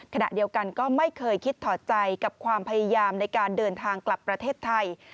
ขณะเดียวกันก็ไม่เคยคิดถอดใจกับความพยายามในการเดินทางกลับประเทศไทย